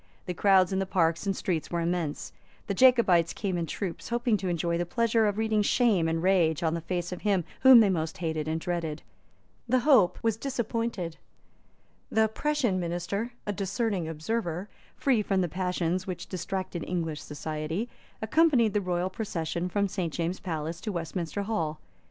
The crowds in the parks and streets were immense. The Jacobites came in troops, hoping to enjoy the pleasure of reading shame and rage on the face of him whom they most hated and dreaded. The hope was disappointed. The Prussian Minister, a discerning observer, free from the passions which distracted English society, accompanied the royal procession from St. James's Palace to Westminster Hall.